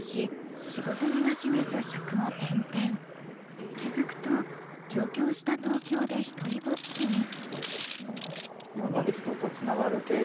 しかし気付くと上京した東京で独りぼっちに。